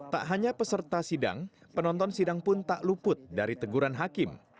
tak hanya peserta sidang penonton sidang pun tak luput dari teguran hakim